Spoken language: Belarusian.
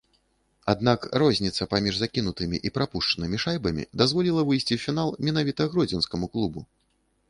Аднак розніца паміж закінутымі і прапушчанымі шайбамі дазволіла выйсці ў фінал менавіта гродзенскаму клубу.